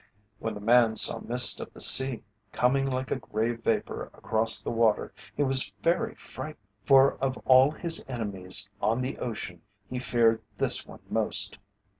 When the man saw Mist of the Sea coming like a grey vapour across the water he was very frightened, for of all his enemies on the ocean he feared this one most.